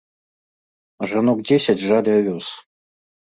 Жанок дзесяць жалі авёс.